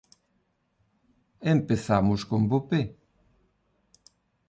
Empezamos con bo pé.